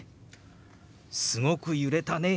「すごく揺れたね」。